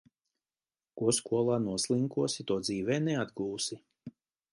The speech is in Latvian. Ko skolā noslinkosi, to dzīvē neatgūsi.